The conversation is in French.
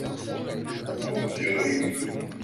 Où Dieu bénit